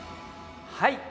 はい。